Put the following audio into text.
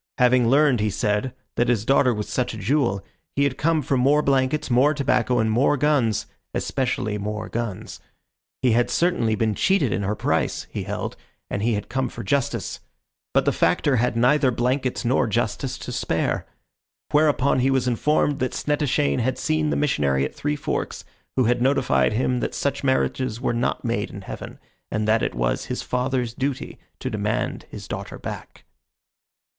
Having learned, he said, that his daughter was such a jewel, he had come for more blankets, more tobacco, and more guns especially more guns. He had certainly been cheated in her price, he held, and he had come for justice. But the Factor had neither blankets nor justice to spare. Whereupon he was informed that Snettishane had seen the missionary at Three Forks, who had notified him that such marriages were not made in heaven, and that it was his father's duty to demand his daughter back.